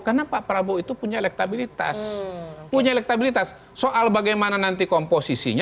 karena pak prabowo itu punya elektabilitas punya elektabilitas soal bagaimana nanti komposisinya